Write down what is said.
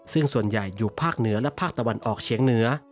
ซึ่งส่วนใหญ่อยู่ภาคเหนือและภาคตะวันออกเฉียงเหนือ